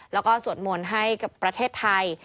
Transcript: แล้วก็สวดมนต์ให้กับประเทศไทย